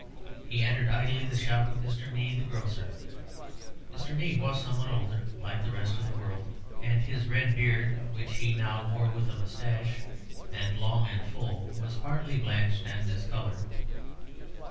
He entered idly the shop of Mr. Mead, the grocer. Mr. Mead was somewhat older, like the rest of the world, and his red beard, which he now wore with a moustache, and long and full, was partly blanched and discoloured.